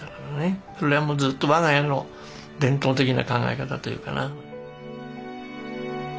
それはもうずっと我が家の伝統的な考え方というかな。